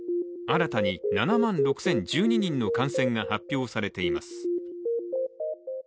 新たに７万６０１２人の感染が発表されています。